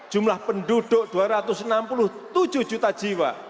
jumlah penduduk dua ratus enam puluh tujuh juta jiwa